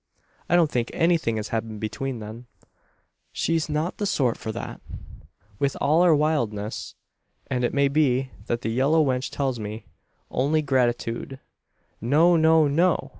"I don't think anything has happened between them. She's not the sort for that, with all her wildness; and it may be what that yellow wench tells me only gratitude. No, no, no!